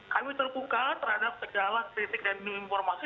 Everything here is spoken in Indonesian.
kami terbuka terhadap segala kritik dan informasi